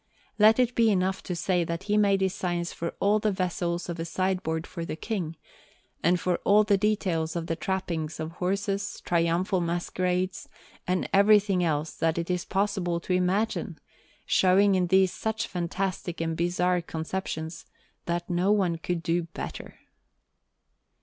Let it be enough to say that he made designs for all the vessels of a sideboard for the King, and for all the details of the trappings of horses, triumphal masquerades, and everything else that it is possible to imagine, showing in these such fantastic and bizarre conceptions, that no one could do better.